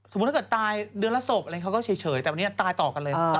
ถ้าเกิดตายเดือนละศพอะไรเขาก็เฉยแต่วันนี้ตายต่อกันเลย